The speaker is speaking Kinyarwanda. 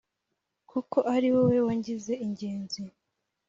kuko ari wowe wangize ingenzi